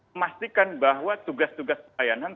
memastikan bahwa tugas tugas pelayanan